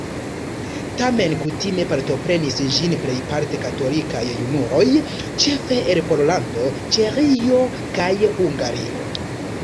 Tamen kutime partoprenas ĝin plejparte katolikaj junuloj, ĉefe el Pollando, Ĉeĥio kaj Hungario.